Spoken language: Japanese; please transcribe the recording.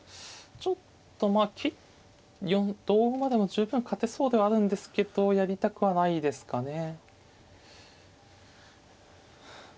ちょっとまあ同馬でも十分勝てそうではあるんですけどやりたくはないですかね。